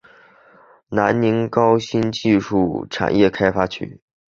南宁高新技术产业开发区